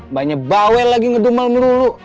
mbaknya bawel lagi ngedumel mulu mulu